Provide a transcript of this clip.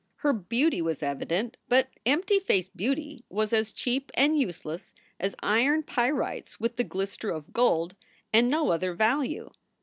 Her beauty was evident, but empty faced beauty was as cheap and useless as iron pyrites with the glister of gold and no other value.